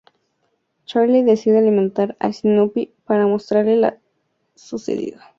Charlie decide alimentar a Snoopy para mostrarle lo sucedido.